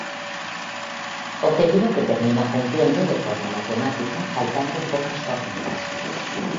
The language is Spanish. Objetivo que termina cumpliendo de forma matemática faltando pocas jornadas.